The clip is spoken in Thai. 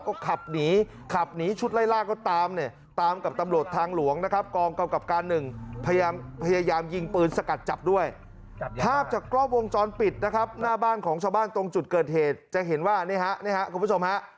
ก็ขับหนีขับหนีชุดไล่ล่างก็ตามเนี่ย